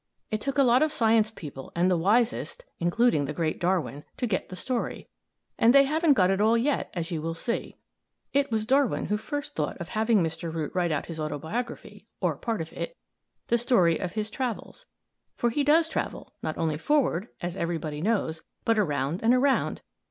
It took a lot of science people and the wisest including the great Darwin to get the story, and they haven't got it all yet, as you will see. It was Darwin who first thought of having Mr. Root write out his autobiography or part of it the story of his travels; for he does travel, not only forward as everybody knows but around and around.